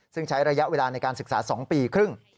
ซึ่งใช้ระยะเวลาในการศึกษา๒ปีครึ่ง